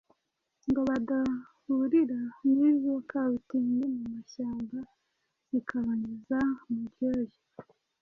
ngo badahurira n’izo kabutindi mu mashyamba zikabanyuza mu ryoya.